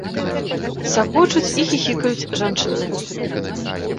Сакочуць і хіхікаюць жанчыны.